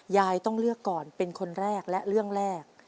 ยายต้องเลือกก่อนเป็นคนแรกและเรื่องแรก